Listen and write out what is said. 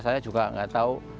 saya juga nggak tahu